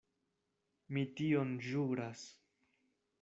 Mi tion ĵuras.